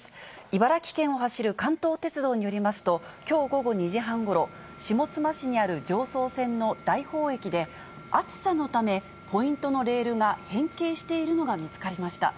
茨城県を走る関東鉄道によりますと、きょう午後２時半ごろ、下妻市にある常総線の大宝駅で、暑さのためポイントのレールが変形しているのが見つかりました。